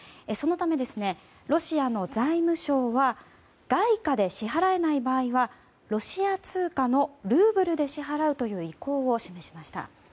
そのため、ロシアの財務省は外貨で支払えない場合はロシア通貨のルーブルで支払うという意向を示しました。